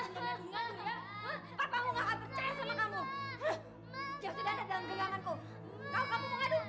sekejolohan dengan yang mengadu ya papamu gak akan percaya sama kamu